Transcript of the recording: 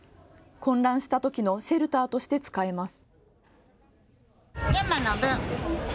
混乱したときのシェルターとして使えます。